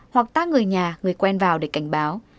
hoặc tác người nhà người quen vào để cảnh báo